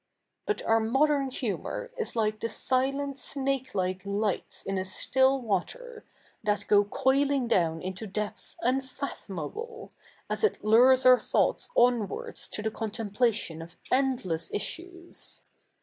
But our modern humour is like the sile7it snakelike lights in a still water, that go coili7ig doivn into depths 2i7ifatho77iable, as it hwes our thoughts 07nvards to the conte77iplatio7i of endless issues.